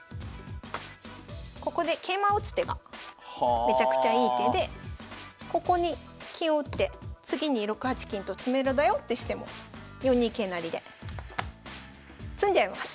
ここで桂馬を打つ手がめちゃくちゃいい手でここに金を打って次に６八金と詰めろだよってしても４二桂成で詰んじゃいます。